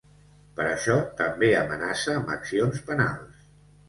Per això, també amenaça amb accions penals.